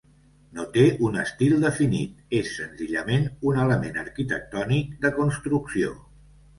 No té un estil definit, és senzillament un element arquitectònic de construcció.